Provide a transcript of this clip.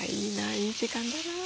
いい時間だな。